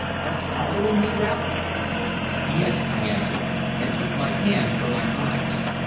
Art following me, Ralph?" "Yes," I answered, and took my hand from my eyes.